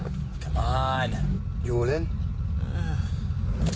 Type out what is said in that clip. ああ。